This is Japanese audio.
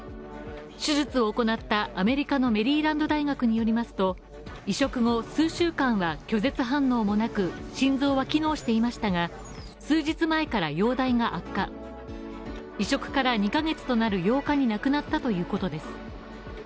手術を行ったアメリカのメリーランド大学によりますと移植後、数週間は拒絶反応もなく心臓は機能していましたが数日前から、容態が悪化移植から２カ月となる８日に亡くなったということです。